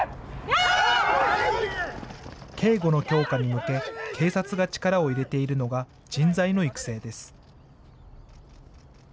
警護の強化に向け、警察が力を入れているのが人材の育成です。